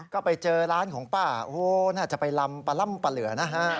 ก็ไปเจอร้านของป้าน่าจะไปลำปลาเหลือนะ